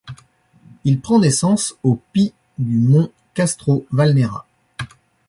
Il prend naissance au pie du mont Castro Valnera.